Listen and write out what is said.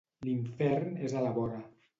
L'infern és a la vora.